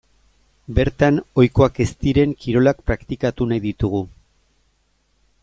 Bertan ohikoak ez diren kirolak praktikatu nahi ditugu.